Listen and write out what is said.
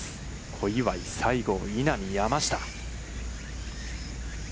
小祝、西郷、稲見、山下。